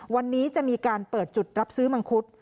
วันนี้จะมีการเปิดจุดรับซื้อมังคุด